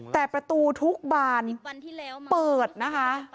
แต่ประตูทุกบานเขลี่ยมนะคะ